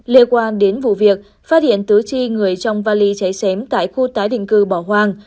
liên quan đến vụ việc phát hiện tứ tri người trong vali cháy xém tại khu tái định cư bỏ hoang